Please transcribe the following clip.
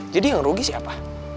jadi yang rugi siapa